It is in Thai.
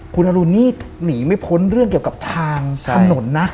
คุณอรุณหนีไม่พ้นเรื่องกับทางถนนนะ